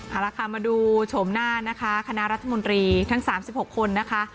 เอาละค่ะมาดูโฉมหน้านะคะคณะรัฐมนตรีทั้ง๓๖คนนะคะ